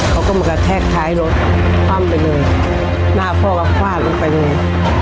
เขาก็มากระแทกท้ายรถคว่ำไปเลยหน้าพ่อก็ฟาดลงไปเลย